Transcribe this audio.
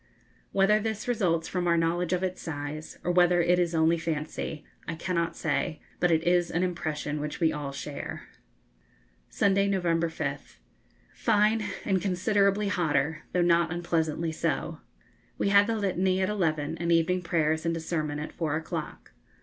Whether this results from our knowledge of its size, or whether it is only fancy, I cannot say, but it is an impression which we all share. Sunday, November 5th. Fine, and considerably hotter, though not unpleasantly so. We had the Litany at eleven, and evening prayers and a sermon at four o'clock.